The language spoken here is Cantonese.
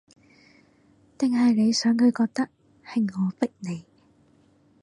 定係你想佢覺得，係我逼你